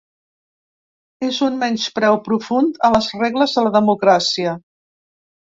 És un menyspreu profund a les regles de la democràcia.